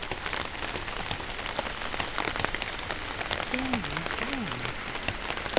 賢治最後の年。